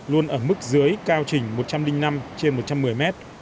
luôn ở mức dưới cao trình một trăm linh năm trên một trăm một mươi mét